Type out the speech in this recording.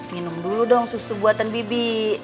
minum dulu dong susu buatan bibi